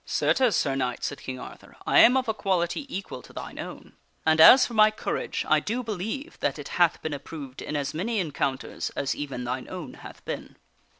" Certes, Sir Knight," said King Arthur, " I am of a quality equal to thine own. And as for my courage, I do believe that it hath been ap proved in as many encounters as even thine own hath been."